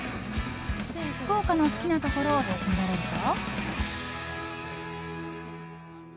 福岡の好きなところを尋ねられると。